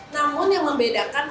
namun yang membedakan